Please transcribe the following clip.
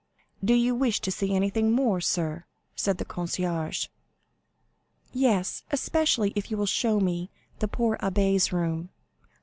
"Do you wish to see anything more, sir?" said the concierge. "Yes, especially if you will show me the poor abbé's room."